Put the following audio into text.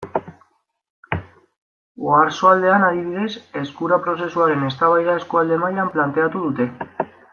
Oarsoaldean, adibidez, Eskura prozesuaren eztabaida eskualde mailan planteatu dute.